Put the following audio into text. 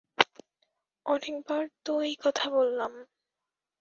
অনেকবার তো এই কথা বললাম।